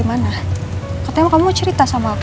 saya datang excelsior